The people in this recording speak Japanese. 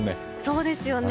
そうなんですよね。